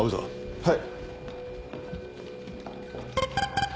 はい。